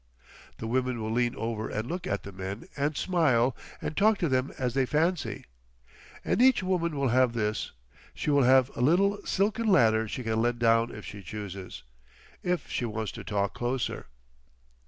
The women will lean over and look at the men and smile and talk to them as they fancy. And each woman will have this; she will have a little silken ladder she can let down if she chooses—if she wants to talk closer..."